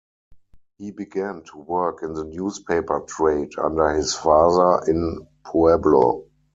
He began to work in the newspaper trade under his father in Pueblo.